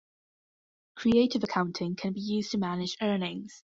Creative accounting can be used to manage earnings.